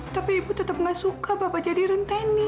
tapi ibu tetap gak suka bapak jadi renteni